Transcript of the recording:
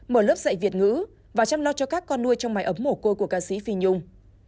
mở lớp dạy việt ngữ và chăm lo cho các con nuôi trong máy ấm mồ côi của ca sĩ phi nhung